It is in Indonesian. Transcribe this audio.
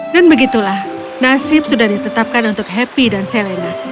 dan begitulah nasib sudah ditetapkan untuk happy dan selena